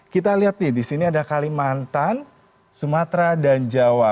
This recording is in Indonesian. kita lihat nih di sini ada kalimantan sumatera dan jawa